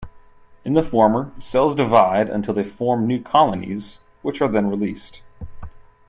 In the former, cells divide until they form new colonies, which are then released.